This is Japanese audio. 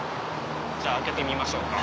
じゃあ開けてみましょうか。